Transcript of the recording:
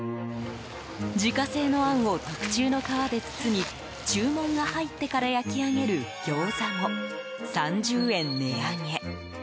自家製のあんを特注の皮で包み注文が入ってから焼き上げるギョーザも３０円値上げ。